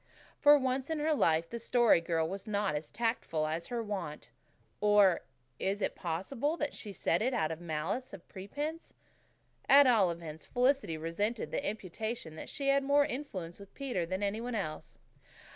For once in her life the Story Girl was not as tactful as her wont. Or is it possible that she said it out of malice prepense? At all events, Felicity resented the imputation that she had more influence with Peter than any one else.